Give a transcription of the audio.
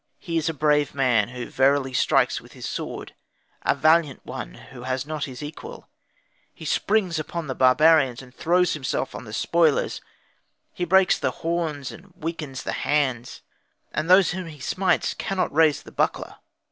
He is a brave man, who verily strikes with his sword; a valiant one, who has not his equal; he springs upon the barbarians, and throws himself on the spoilers; he breaks the horns and weakens the hands, and those whom he smites cannot raise the buckler.